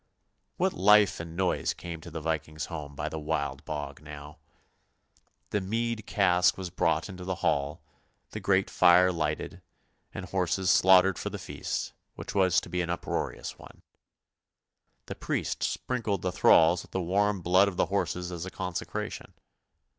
" What life and noise came to the Viking's home by the Wild Bog now. The mead cask was brought into the hall, the great fire lighted, and horses slaughtered for the feast, which was to be an uproarious one. The priest sprinkled the thralls with the warm blood of the horses as a consecration.